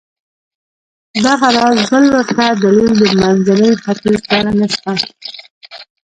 دغه راز بل ورته دلیل د منځني ختیځ په اړه شته.